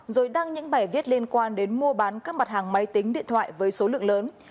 rồi đăng những bài viết liên quan đến mua bán các mặt hàng máy tính điện thoại với số lượng lớn